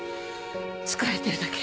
疲れてるだけ。